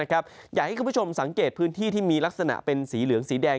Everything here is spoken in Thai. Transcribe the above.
อยากให้คุณผู้ชมสังเกตพื้นที่ที่มีลักษณะเป็นสีเหลืองสีแดง